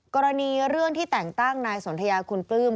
กรณีเรื่องที่แต่งตั้งนายสนทยาคุณปลื้ม